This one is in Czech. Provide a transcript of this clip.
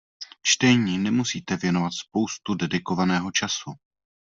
Čtení nemusíte věnovat spoustu dedikovaného času.